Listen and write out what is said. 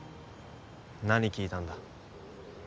何聞いたんだ